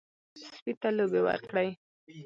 سپي ته لوبې ورکړئ.